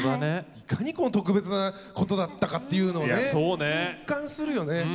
いかに特別なことだったかっていうのをね実感するよね。